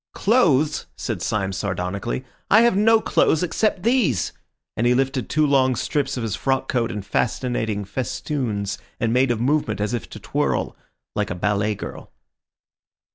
"Clothes!" said Syme sardonically. "I have no clothes except these," and he lifted two long strips of his frock coat in fascinating festoons, and made a movement as if to twirl like a ballet girl.